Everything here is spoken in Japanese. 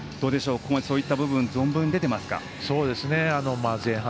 ここまで、そういった部分存分に出ていますか。